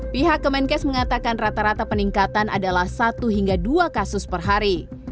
pihak kemenkes mengatakan rata rata peningkatan adalah satu hingga dua kasus per hari